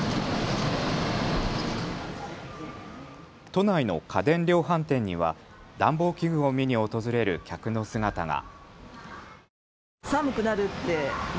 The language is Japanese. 都内の家電量販店には暖房器具を見に訪れる客の姿が。